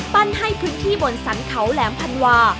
ให้พื้นที่บนสรรเขาแหลมพันวา